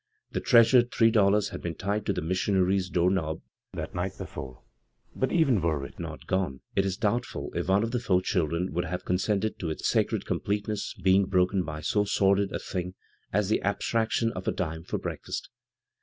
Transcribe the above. The treasured three dollars had been tied to the missionary's door knob the night before, but even were it not gone, it is doubtful if one of the four children would have consented to its sacred complete ness being broken by so sordid a thing as the abstraction of a dime for breakfast.